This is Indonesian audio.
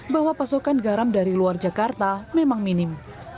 bahwa pasokan garam dari luar jakarta memang minim